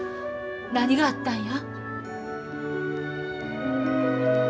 何があったんや？